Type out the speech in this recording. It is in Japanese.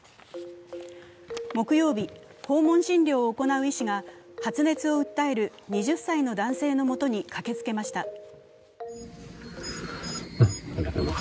木曜日、訪問診療を行う医師が発熱を訴える２０歳の男性のもとに駆けつけました。